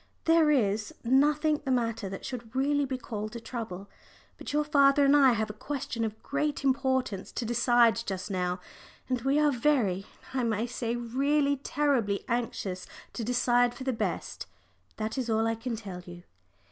There is nothing the matter that should really be called a trouble. But your father and I have a question of great importance to decide just now, and we are very I may say really terribly anxious to decide for the best. That is all I can tell you.